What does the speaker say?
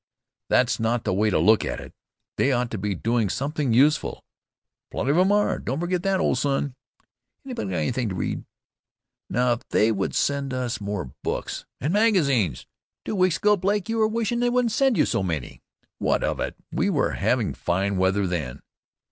"That's not the way to look at it. They ought to be doing something useful." "Plenty of them are; don't forget that, old son." "Anybody got anything to read?" "Now, if they would send us more books " "And magazines " "Two weeks ago, Blake, you were wishing they wouldn't send so many." "What of it? We were having fine weather then."